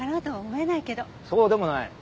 そうでもない。